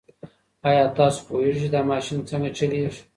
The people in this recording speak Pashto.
ایا تاسو پوهېږئ چې دا ماشین څنګه چلیږي؟